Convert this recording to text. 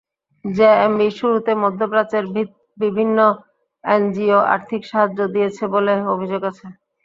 জেএমবির শুরুতে মধ্যপ্রাচ্যের বিভিন্ন এনজিও আর্থিক সাহায্য দিয়েছে বলে অভিযোগ আছে।